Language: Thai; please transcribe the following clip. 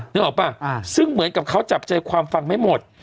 นึกออกป่ะซึ่งเหมือนกับเขาจับใจความฟังไม่หมด